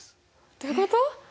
どういうこと？